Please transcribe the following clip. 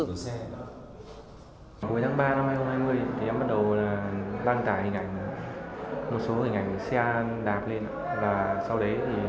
cuối tháng ba năm hai nghìn hai mươi em bắt đầu đăng tải hình ảnh một số hình ảnh xe đạp lên